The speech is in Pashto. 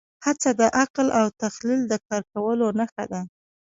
هڅه د عقل او تخیل د کار کولو نښه ده.